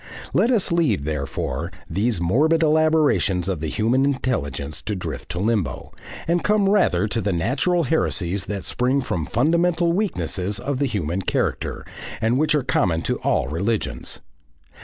Let us leave, therefore, these morbid elaborations of the human intelligence to drift to limbo, and come rather to the natural heresies that spring from fundamental weaknesses of the human character, and which are common to all religions.